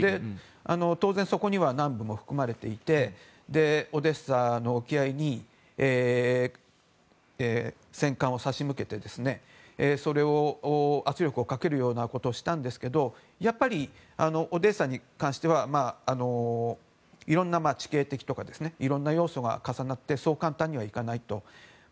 当然そこには南部も含まれていてオデーサの沖合に戦艦を差し向けて圧力をかけるようなことをしたんですがやっぱり、オデーサに関しては地形的とかいろんな要素が重なってそう簡単にはいかないと。